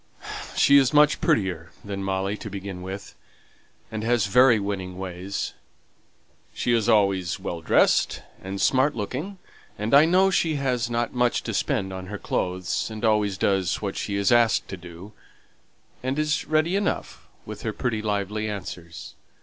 "She is much prettier than Molly to begin with, and has very winning ways. She's always well dressed and smart looking, and I know she hasn't much to spend on her clothes, and always does what she's asked to do, and is ready enough with her pretty, lively answers.